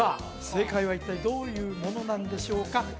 正解は一体どういうものなんでしょうか？